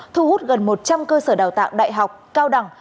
thu hút gần một trăm linh cơ sở đào tạo đại học cao đẳng